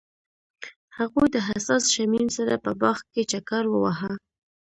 هغوی د حساس شمیم سره په باغ کې چکر وواهه.